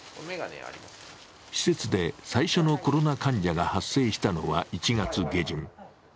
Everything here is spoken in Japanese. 施設で最初のコロナ患者が発生したのは１月下旬。